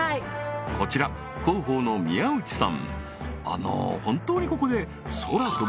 こちら広報の宮内さん